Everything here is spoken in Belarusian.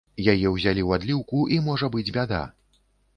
Яе ўзялі ў адліўку, і можа быць бяда.